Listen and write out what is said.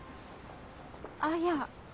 あっいや。